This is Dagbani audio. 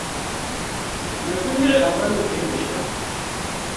Ŋmalgi liɣi a ba ni gbihiri shɛm.